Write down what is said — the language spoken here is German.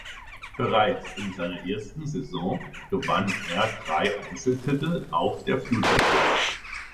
Bereits in seiner ersten Saison gewann er drei Einzeltitel auf der Future Tour.